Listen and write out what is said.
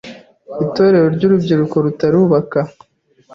Itorero ry’urubyiruko rutarubaka;